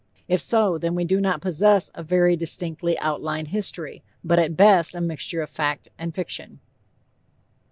If so, then we do not possess "a very distinctly outlined history," but at best a mixture of fact and fiction.